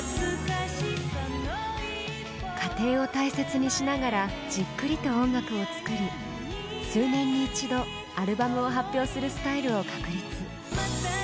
家庭を大切にしながらじっくりと音楽を作り数年に一度アルバムを発表するスタイルを確立。